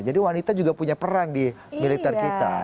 jadi wanita juga punya peran di militer kita